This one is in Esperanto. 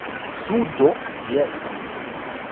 Sudo, jes.